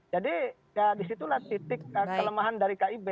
ya disitulah titik kelemahan dari kib